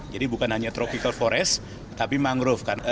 jadi bukan hanya tropical forest tapi mangrove